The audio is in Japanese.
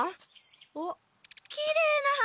あっきれいな花！